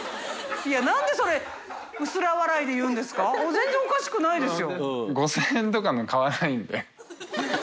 全然おかしくないですよ。